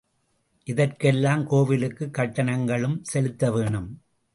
இதற்கெல்லாம் கோவிலுக்கு கட்டணங்களும் செலுத்த வேணும்.